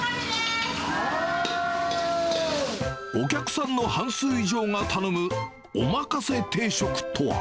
お客さんの半数以上が頼む、おまかせ定食とは。